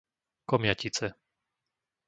Komjatice